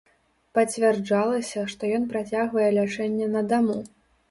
Пацвярджалася, што ён працягвае лячэнне на даму.